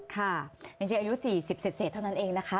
ค่ะจริงอายุ๔๐เสร็จเท่านั้นเองนะคะ